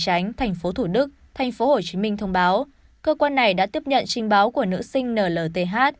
tránh thành phố thủ đức thành phố hồ chí minh thông báo cơ quan này đã tiếp nhận trình báo của nữ sinh nlth